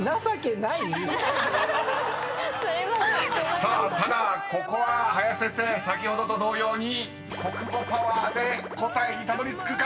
［さあただここは林先生先ほどと同様に国語パワーで答えにたどりつくか⁉］